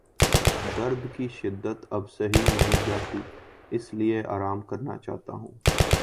درد کی شدت اب سہی نہیں جاتی اس لیے آرام کرنا چاہتا ہوں۔